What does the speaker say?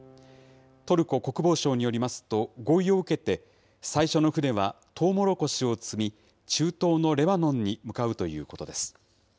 トルコ国防省によりますと、合意を受けて最初の船は、トウモロコシを積み、中東のレバノンに向かうということです。